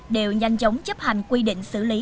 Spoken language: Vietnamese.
đều nhanh chóng chấp hành quy định xử lý